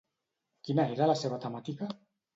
Quina era la seva temàtica?